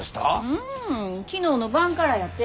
うん昨日の晩からやて。